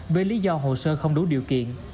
về lý do hồ sơ không đủ điều kiện